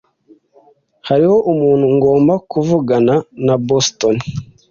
Hariho umuntu ngomba kuvugana na Boston.